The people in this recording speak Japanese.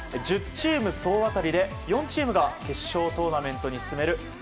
１０チーム総当たりで４チームが決勝トーナメントに進める